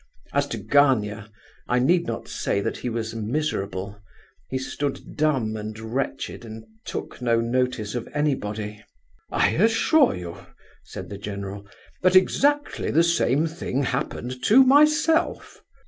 As to Gania, I need not say that he was miserable; he stood dumb and wretched and took no notice of anybody. "I assure you," said the general, "that exactly the same thing happened to myself!"